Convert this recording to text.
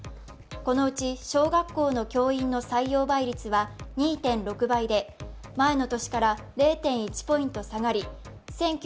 このうち小学校の教員の採用倍率は２．６倍で前の年から０．１ポイント下がり